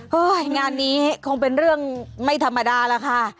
งานนี้คงเป็นเรื่องไม่ธรรมดาแล้วค่ะ